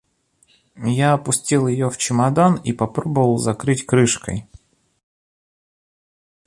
Я опустил ее в чемодан и попробовал закрыть крышкой.